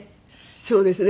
そうですね。